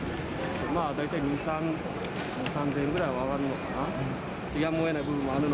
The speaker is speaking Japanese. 大体２、３０００円ぐらいは上がるのかなと。